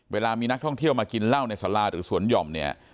เวลามีนักท่องเที่ยวมากินเหล้าในสาราหรือสวนหย่อมเนี่ย